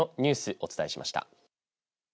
お伝えしました。